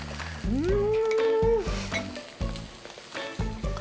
うん。